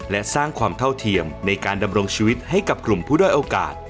และสร้างความเท่าเทียมในการดำรงชีวิตให้กับกลุ่มผู้ด้อยโอกาส